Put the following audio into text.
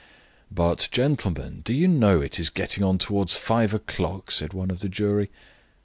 "But, gentlemen, do you know it is getting on towards five o'clock?" said one of the jury.